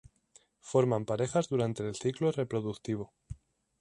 Forman parejas durante el ciclo reproductivo.